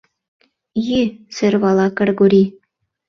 Йӱ... — сӧрвала Кыргорий.